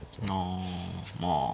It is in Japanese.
あまあ